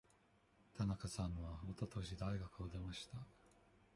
田中さんはおととし大学を出ました。